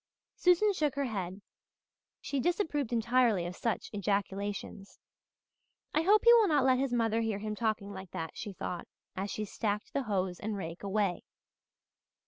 Susan shook her head. She disapproved entirely of such ejaculations. "I hope he will not let his mother hear him talking like that," she thought as she stacked the hoes and rake away.